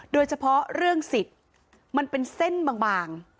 โดยเฉพาะเรื่องสิทธิ์มันเป็นเส้นบาง